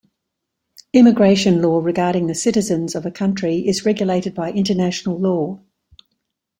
Immigration law regarding the citizens of a country is regulated by international law.